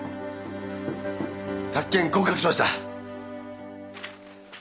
宅建合格しました！